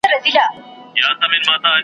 له مبارک سره یوازي مجلسونه ښيي .